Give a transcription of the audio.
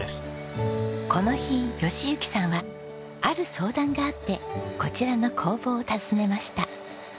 この日喜行さんはある相談があってこちらの工房を訪ねました。